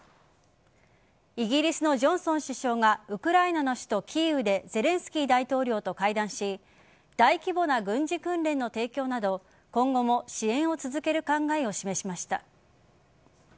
イギリスのジョンソン首相がウクライナの首都・キーウでゼレンスキー大統領と会談し大規模な軍事訓練の提供など今後も支援を続ける考えを示しました。